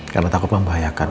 karena takut membahayakan